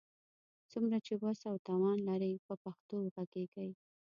څومره چي وس او توان لرئ، په پښتو وږغېږئ!